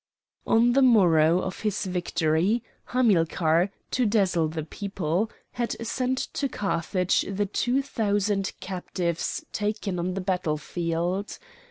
On the morrow of his victory, Hamilcar, to dazzle the people, had sent to Carthage the two thousand captives taken on the battlefield.